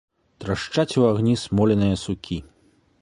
Трашчаць у агні смоленыя сукі.